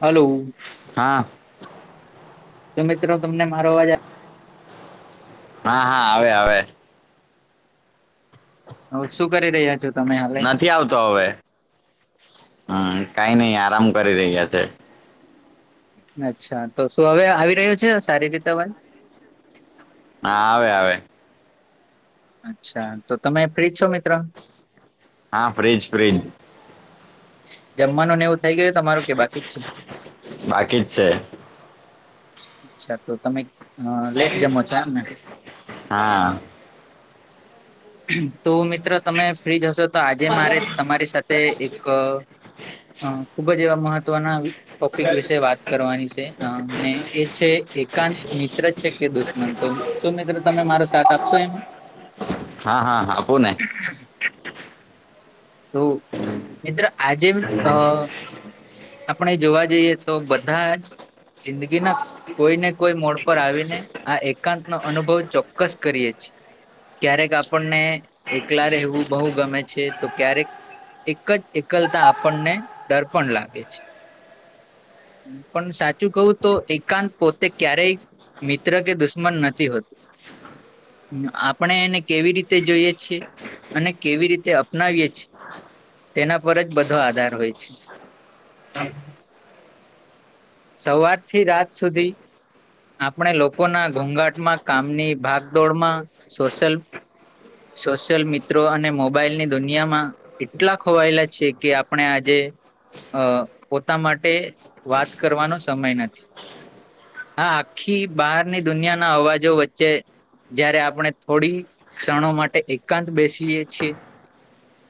Hello હા તો મિત્રો તમને મારોઅવાજ હા, હા, આવે આવે હ શું કરી રહ્યા છો તમે હવે નથી આવતો હવે કઈ નહી, આરામ કરી રહ્યા છે અચ્છા, તો શું હવે આવી રહ્યું છે સારી રીતેન અવાજ હા, આવે, આવે અચ્છા, તો તમે ફ્રીજ છો મિત્ર હા, ફ્રીજ ફ્રીજ જમવાનું ને એવું થઈ ગયું તમારું કે બાકી જ છે બાકી જ છે અચ્છા તો તમે લેટ જમો છો એમ ને હા તો મિત્ર તમે ફ્રી જશો તો આજે મારે તમારી સાથે એક હ, ખુબ જ એવા મહત્વના ટોપિક વિશે વાત કરવાની સે મેને એ, છે, એકાંત મિત્ર છે કે દુશ્મંતો શું મિત્ર તમે મારો સાથ આપશો એમાં હા, હા, હા આપુ ને તો મિત્ર આજે અ આપણે જોવા જઈએ તો બધા જિંદગીના કોઈ ને કોઈ મોડ પર આવીને આ એકાંત નો અનુભવ ચોક્કસ કરીએે છીએ ક્યારેક આપણને એકલા રહેવું બહુ ગમે છે તો, ક્યારેક એક જ એકલતા આપણને ડર પણ લાગે છે પણ સાચું કહું તો એકાંત પોતે ક્યારેય મિત્ર કે દુશ્મન નથી હોતું આપણે એને કેવી રીતે જોઈએ છીએ. અને કેવી રીતે અપનાવીએ છેએ તેના પર જ બધો આધાર હોય છે. સવારથી રાત સુધી આપણે લોકો ના ઘોંઘાટમાં કામની ભાગદોડમાં સોશિલ સોશિયલ મિત્રો અને મોબાઈલની દુનિયામાં એટલા ખવાયેલા છે કે આપણે આજે અ પોતા માટે વાત કરવાનો સમય નથી. હા આખી બહારની દુનિયાના અવાજો વચ્ચે જયારે આપણે થોડી ક્ષણો માટે એકાંત બેસીએ છીએ.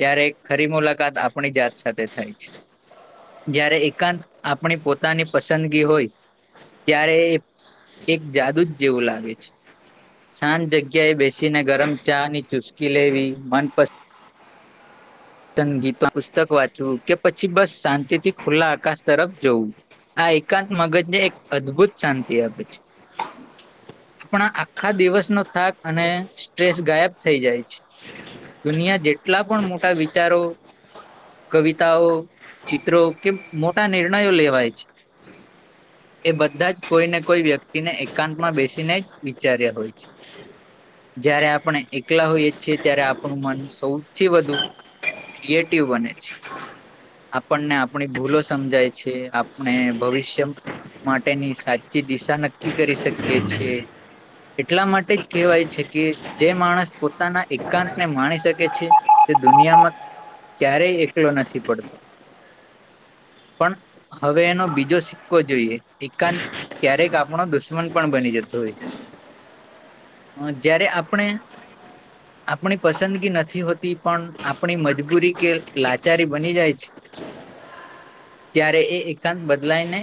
ત્યારે ખરી મુલાકાત આપણી જાત સાથે થાય છે. જયારે એકાંત આપણી પોતાની પસંદગી હોય ત્યારે એક જાદુ જ જેવું લાગે છે, સાજ જગ્યા એ બેસીને ગરમ ચા ની ચુસ્કી લેવી મનપસંદ ગીત પુસ્તક વાંચવું કે પછી બસ શાંતિ થી ખુલ્લા આકાશ તરફ જવું આ એકાંત મગજને એક અદ્ભુત શાંતિ આપે છે, આપણા આખા દિવસનો થાક અને સ્ટ્રેસ ગાયબ થઈ જાય છે, દુનિયા જેટલા પણ મોટા વિચારો કવિતાઓ ચિત્રો કેમ મોટા નિર્ણયો લેવાય છે, [inaudible] એ બધા જ કોઈ ને કોઈ વ્યક્તિને એકાંત માં બેસીને જ વિચાર્યા હોય છે, જયારે આપણે એકલા હોઈએ છીએ ત્યારે આપણું મન સૌથી વધુ ક્રિએટીવ બને છે, આપણને આપણી ભૂલો સમજાય છે, આપણે ભવિષ્ય માટેની સાચી દિશા નક્કી કરી શકીએ છીએછે, એટલા માટે જ કહેવાય છે, કે જે માણસ પોતાના એકાંતને માણી શકે છે, તે દુનિયામાં ક્યારેય એકલો નથી પડતો પણ હવે એનો બીજો સિક્કો જોઈએ એકાંત ક્યારેક આપણો દુશ્મન પણ બની જતો હોય છે, જયારે આપણે આપણી પસંદગી નથી હોતી પણ આપણી મજબૂરી કે લાચારી બની જાય છે, ત્યારે એ એકાંત બદલાયને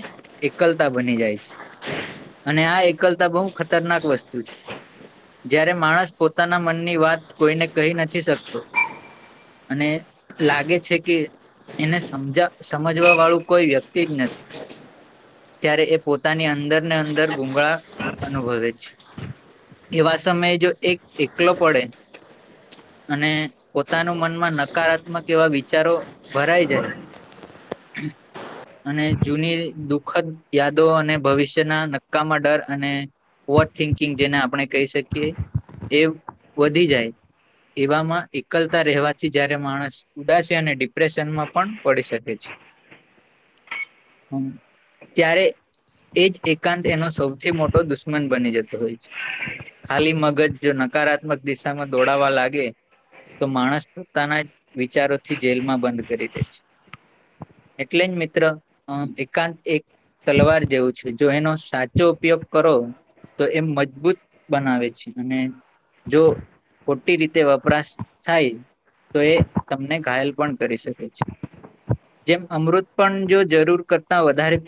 એકલતા બની જાય છે, અને આ એકલતા બહુ ખતરનાક વસ્તુ છે, જયારે માણસ પોતાના મનની વાત કોઈને કહી નથી શકતો અને લાગે છે, કે એને સમજા સમજવા વાળું કોઈ વ્યક્તિ જ નથી ત્યારે એ પોતાની અંદર ને અંદર ગૂગળા અનુભવે છે, એવા સમયે જો એક એકલો પડે અને પોતાના મનમાં નકારાત્મક એવા વિચારો ભરાય જાય અને જૂની દુખદ યાદો અને ભવિષ્યના નક્કામાં ડર અને ઓવર થિંકિંગ જેને આપણે કહી શકીએ એ વધી જાય એવામાં એક ઉકલતા રહેવાથી જયારે માણસ ઉદાસ અને ડિપ્રેશનમાં પણ પડી શકે છે, [inaudible] ત્યારે એજ એકાંત એનો સૌથી મોટો દુશ્મન બની જતો હોય છે, ખાલી મગજ જો નકારાત્મક દિશામાં દોડાવા લાગે તો માણસ પોતાના વિચારોથી જેલમાં બંધ કરી દે છે, એટલે અ મિત્ર એકાંત એક તલવાર જેવું છે, જો એનો સાચો ઉપયોગ કરો તો એમ મજબૂત બનાવે છે, અને જો ખોટી રીતે વપરાશ થાય તો એ તમને ઘાયલ પણ કરી શકે છે. જેમ અમૃત પણ જો જરૂર કરતા વધારે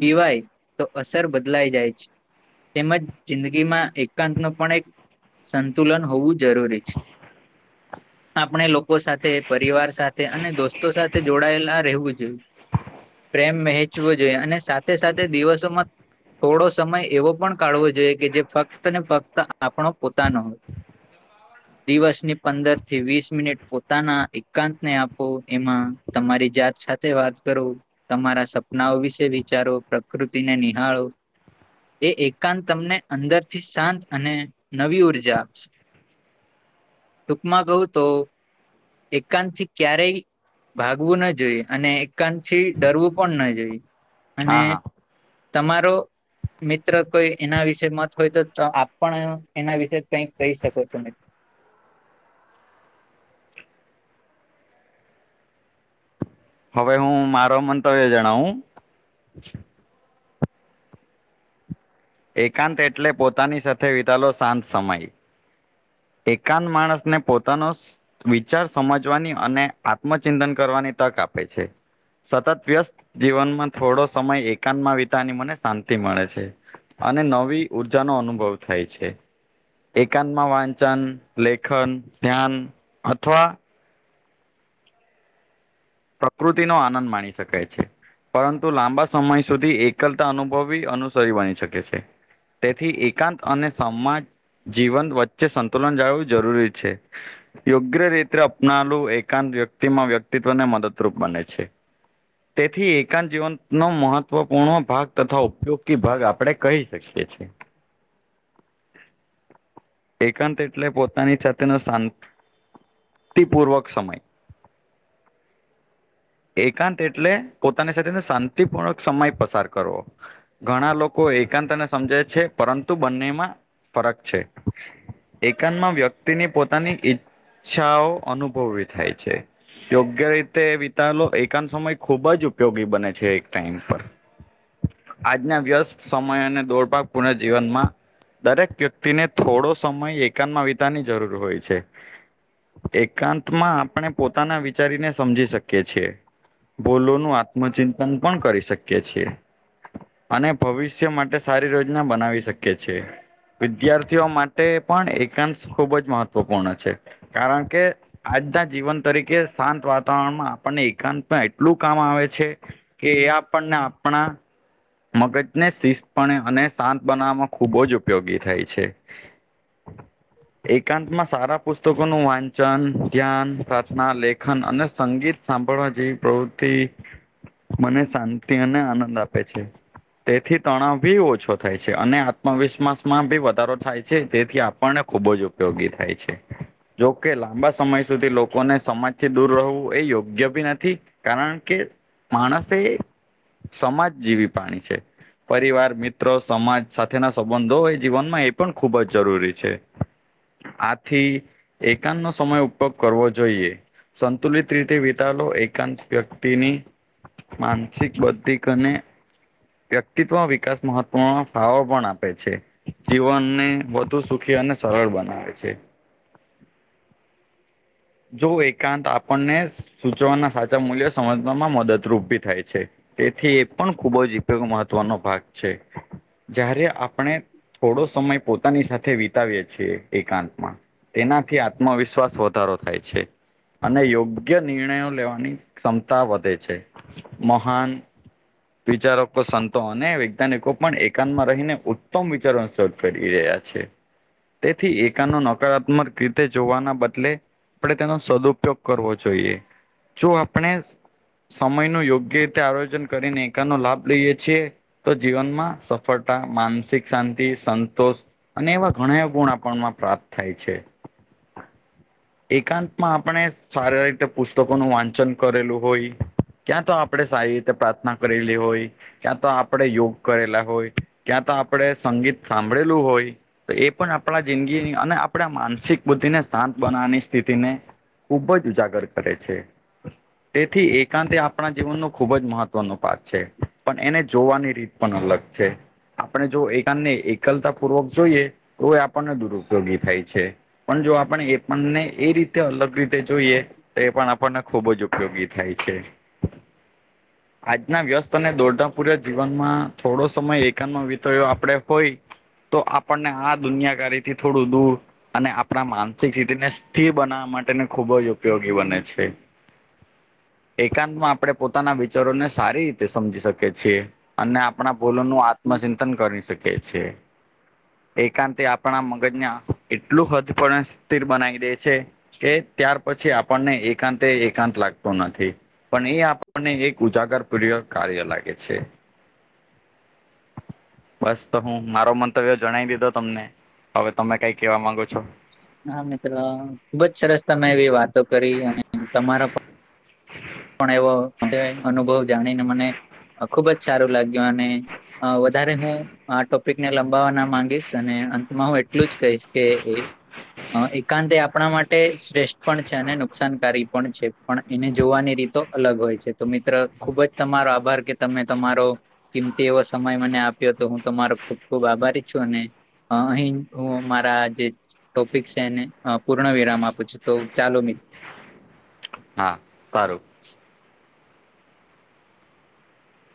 પીવાય તો અસર બદલાઈ જાય છે, તેમજ જિંદગીમાં એકાંત ન પણ એક સંતુલન હોવું જરૂરી છે. [inaudible] આપણે લોકો સાથે પરિવાર સાથે અને દોસ્તો સાથે જોડાયેલા રહેવું જોઈયએ. પ્રેમ વહેંચવો જોઈએ અને સાથે સાથે દિવસોમાં થોડો સમય એવો પણ કાઢવો જોઈએ કે જે ફક્ત ને ફક્ત આપણો પોતાનો હોય. દિવસની પંદર થી વીસ મિનિટ પોતાના એકાંત ને આપો એમાં તમારી જાત સાથે વાત કરો તમારા સપનાઓ વિશે વિચારો પ્રકૃતિને નિહાળો એ એકાંત તમને અંદર થી શાંત અને નવી ઉર્જા આપશે માંગઉ તો. એકાંત થી ક્યારેય ભાગવું ના જોઈએ અને એકાંત પછી ડરવું પણ ન જોઈ અને હા હા તમારો મિત્ર કોઈ એના વિશે મત હોય તો આપ પણ એના વિશે કઈક કહી શકો છો મિત્ર હવે હું મારો મંતવ્ય જણાવું. એકાંત એટલે પોતાની સાથે વિતાલો શાંત સમય એકાંત માણસ ને પોતાનો વિચાર સમજવાની અને આત્મચિંતન કરવાની તક આપે છે. સતત વ્યસ્ત જીવનમાં થોડો સમય એકાંતમાં વિતાની મને શાંતિ મળે છે. અને નવી ઉર્જાનોો અનુભવ થાય છે એકાંતમાં વાંચ વન લેખન ધ્યાન અથવા પ્રકૃતિ નો આનંદ માણી શકાય છે. પરંતુ લાંબા સમય સુધી એકલતા અનુભવી અનુસરી બની શકે છે. તેથી એકાંત અને સમાજ જીવન વચ્ચે સંતુલન જાળવું જરૂરી છે. યોગ્ય રીતે અપનાલું એકાંત વ્યક્તિમાં વ્યક્તિત્વને મદદરૂપ બને છે. તેથી એકાંત જીવંત નો મહત્વપૂર્ણ ભાગ તથા ઉપયોગ ભાગ આપણેે કહી શકીએ છીએ એકાંત એટલે પોતાની સાથેનો શ શક્તિપૂર્વક સમય એકાંત એટલે પોતાની સાથે શાંતિપૂર્ણક સમય પસાર કરવો. ઘણા લોકો એકાંતને સમજે છે પરંતુ બંનેમાં ફરક છે. એકંતમાં વ્યક્તિની પોતાની ઈચ્છાઓ અનુભવી થાય છે. યોગ્ય રીતે એકાંત સમય ખુબ જ ઉપયોગી બને છે એક ટાઈમ પર- આજના વ્યસ્ત સમયને દોડવા પુર્ણ જીવનમાં દરેક વ્યક્તિને થોડો સમય એકાંતમાં વિતાની જરૂર હોય છે. એકાંત માં આપણે પોતાના વિચારીને સમજી શકીએ બોલોનું આત્મચિંતન પણ કરી શકીએ છીએ. અને ભવિષ્ય માટે સારી રોજના બનાવી શકીએ છીએ. વિદ્યાર્થીઓ માટે પણ એકાંશ ખૂબ જ મહત્વપૂર્ણ છે. કારણ કે આજના જીવન તરીકે શાંત વાતાવરણમાં આપણને એકાંતમાં એટલું કામ આવે છે કે એ આપણને આપણા મગજને શિસ્તપણે અને શાંત બનાવવામાં ખૂબ જ ઉપયોગી થાય છે. એકાંત માં સારા. પુસ્તકોનું વાંચન ધ્યાન પ્રાર્થના લેખન અને સંગીત સાંભળવા જેવી પ્રવૃત્તિ. થી મને શાંતિ અને આનંદ આપે છે. તેથી તણાવ બી ઓછો થાય છે અને આત્મવિશ્વાસમાં બી વધારો થાય છે જેથી આપણને ખૂબ જ ઉપયોગી થાય છે. જોકે લાંબા સમય સુધી લોકોને સમાજથી દૂર રહેવું એ યોગ્ય ભી નથી. કારણ કે, માણસ એ સમાજ જેવી પ્રાણી છે. પરિવાર, મિત્રો, સમાજ સાથેના સંબંધો હોય જીવનમાં એ પણ ખૂબ જ જરૂરી છે. [inaudible] આથી એકાંત નો સમય ઉપોપ કરવો જોઈએ. સંતુલિત રીતે વિતાલો એકાંત વ્યક્તિની માનસિક, બદ્ધિક અને વ્યક્તિત્વ વિકાસ મહત્વ નો ફાળો પણ આપે છે. જીવનને વધુ સુખી અને સરળ બનાવે છે. જો એકાંત આપણને સૂચવાના સાચા મૂલ્યો સમજવામાં મદદરૂપ ભી થાય છે. તેથી એ પણ ખુબજ ઉપયોગ મહત્વનો ભાગ છે. જયારે આપણે થોડો સમય પોતાની સાથે વી તાવીએ છીએ એકાંતમાં, તેનાથી આત્મવિશ્વાસ વધારો થાય છે. અને યોગ્ય નિર્ણયો લેવાની ક્ષમતા વધે છે, મહાન વિચારકો, સંતો અને વૈજ્ઞાનિકો પણ એકાંતમાં રહીને ઉત્તમ વિચારો શોધ કરી રહ્યા છે, તેથી એકાંત નો નકારાત્મક રીતે જોવાના બદલે આપણે તેનો સદુપયોગ કરવો જોઈએ, જો આપણે સમય નું યોગ્ય રીતે આયોજન કરીને એકાનો લાભ લઈએ છીએ. તો જીવનમાં સફળતા, માનસિક શાંતિ, સંતોષ અને એવા ઘણા એ ગુણ આપણમાં પ્રાપ્ત થાય છે. એકાંતમાં આપણે સારા રીતે પુસ્તકોનું વાંચન કરેલું હોય. ક્યાંતો આપડે સારી રીતે પ્રાર્થના કરેલી હોય. ક્યાં તો આપડે યોગ કરેલા હોય, ક્યાં તો આપડે સંગીત સાંભળેલું હોય. તો એ પણ આપણા જિંદગીની, અને આપણા માનસિક બુદ્ધિ ને શાંત બનાવાની સ્થિતિ ને ખૂબજ ઉજાગર કરે છે. તેથી એકાંત એ આપણા જીવનનો ખુબ જ મહત્વનો પાક છે, પણ એને જોવાની રીત પણ અલગ છે. આપણે જો એકાંતને એકલતા પૂર્વક જોઈએ, તો એ આપણને દુરઉપયોગી થાય છે. પણ જો આપણે એ પણને એ રીતે અલગ રીતે જોઈએ તો એ પણ આપણને ખુબજ ઉપયોગી થાય છે. [inaudible] આજના વ્યસ્ત અને દોરડાપૂર્ય જીવનમાં, થોડો સમય એકાંતમા વિતોયો આપડે હોય તો આપણને આ દુનિયાકારીથી થોડું દૂર, અને આપણા માનસિક હિતને સ્થિર બનાવવા માટેને ખુબ જ ઉપયોગી બને છે. એકાંતમાં આપણે પોતાના વિચારોને સારી રીતે સમજી શકીએ છીએ. અને આપણા ભોલોનું આત્મચિંતન કરી શકીએ છે. એકાંત એ આપણા મગજના, એટલું હદ પણ સ્થિર બનાવી દે છે, કે ત્યાર પછી આપણને એકાંત એ એકાંત લાગતો નથી. પણ એ આપણને એક ઉજાગર પ્રિય કાર્ય લાગે છે. [inaudible] બસ તો હું મારો મંતવ્યો જણાવી દીધો તમને, હવે તમે કઈ કેવા માંગો છો? હા મિત્ર, ખુબજ સરસ તમે એવી વાતો કરી અને તમારા પ પણ એવો અધ્યાય અનુભવ જાણીને મને અ ખુબ જ સારું લાગ્યું, અને અ વધારે હું. આ ટોપિકને લંબાવવા ના માંગીશ, અને અંતમાં હું એટલું જ કહીશ કે અ એકાંત એ આપણા માટે શ્રેષ્ઠ પણ છે, અને નુકસાનકારી પણ છે, પણ એને જોવાની રીત તો અલગ હોય છે, તો મિત્ર ખુબ જ તમારો આભાર કે તમે તમારો કિંમતી એવો સમય મને આપ્યો, તો હું તમારો ખુબ ખુબ આભારી છું, અને અહી હું મારા જે ટોપિક છે એને અ પૂર્ણ વિરામ આપું છું, તો ચાલો મિત હા કારું [inaudible]